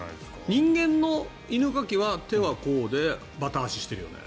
人間の犬かきは手はこうでバタ足してるよね。